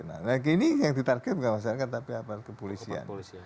nah ini yang di target bukan masyarakat tapi aparat kepolisian